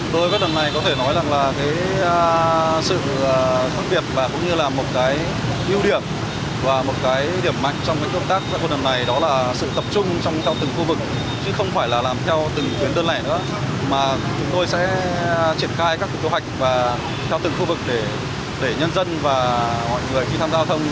tôi sẽ triển khai các tổ hạch theo từng khu vực để nhân dân và mọi người khi tham gia giao thông